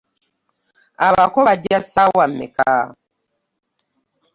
Abako bajja ssaawa mmeka?